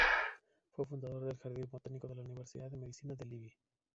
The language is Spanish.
Fue fundador del Jardín Botánico de la Universidad de Medicina de Lviv.